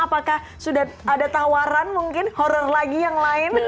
apakah sudah ada tawaran mungkin horror lagi yang lain